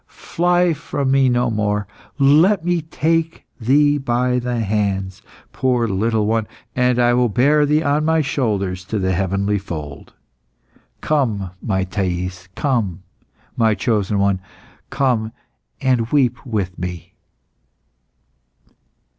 Fly from Me no more. Let Me take thee by the hands, poor little one, and I will bear thee on My shoulders to the heavenly fold. Come, My Thais! come, My chosen one! come, and weep with Me!